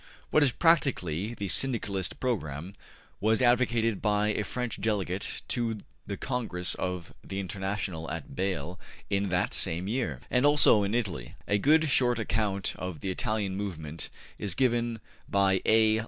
What is practically the Syndicalist program was advocated by a French delegate to the Congress of the International at Bale in that same year. And also in Italy. A good, short account of the Italian movement is given by A.